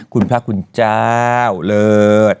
คุณพระคุณเจ้าเลิศ